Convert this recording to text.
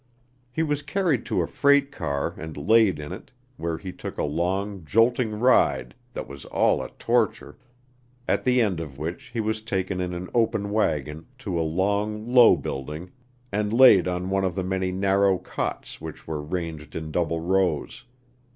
He was carried to a freight car and laid in it, where he took a long, jolting ride that was all a torture, at the end of which he was taken in an open wagon to a long, low building, and laid on one of many narrow cots which were ranged in double rows.